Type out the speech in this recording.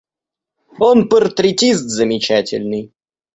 Он портретист замечательный.